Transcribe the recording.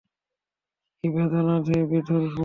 কী বেদনাবিধুর মুহূর্ত!